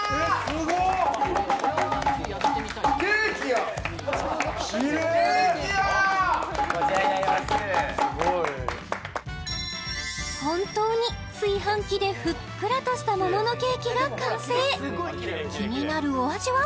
すごいよ本当に炊飯器でふっくらとした桃のケーキが完成気になるお味は？